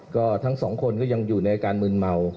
ก็ทั้งสองคนก็ยังอยู่ในอาการมืนเมา